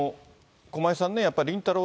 駒井さん、やっぱりりんたろー。